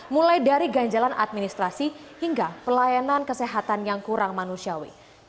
mulai dari ganjalan administrasi hingga pelayanan kesehatan yang kurang manusiawi